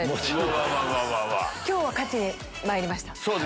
今日は勝ちにまいりました。